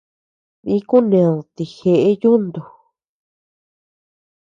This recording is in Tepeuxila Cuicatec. Dí kuned ti jeʼe yuntu.